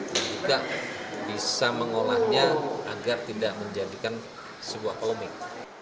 dan juga bisa mengolahnya agar tidak menjadikan sebuah pelumik